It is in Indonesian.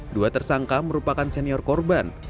dua tersangka merupakan senior korban